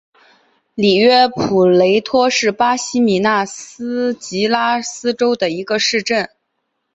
里约普雷托是巴西米纳斯吉拉斯州的一个市镇。